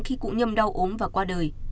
khi cụ nhâm đau ốm và qua đời